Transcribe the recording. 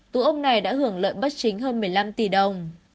tù ông này đã hưởng lợi bất chính hơn một mươi năm tỷ đồng